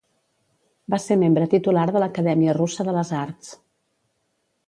Va ser membre titular de l'Acadèmia Russa de les Arts.